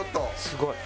すごい。